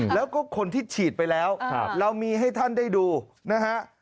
แล้วก็คนที่ฉีดไปแล้วเรามีให้ท่านได้ดูนะฮะ